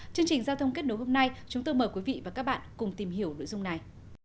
chương trình giao thông kết nối hôm nay chúng tôi mời quý vị và các bạn cùng tìm hiểu nội dung này